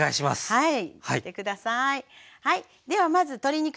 はい。